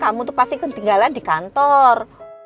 kamu tuh pasti ketinggalan di kantor